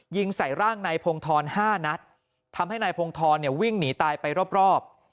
ยิงใส่ร่างนายพงธร๕นัดทำให้นายพงธรเนี่ยวิ่งหนีตายไปรอบ